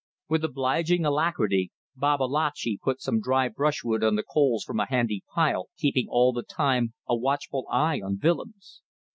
With obliging alacrity Babalatchi put some dry brushwood on the coals from a handy pile, keeping all the time a watchful eye on Willems.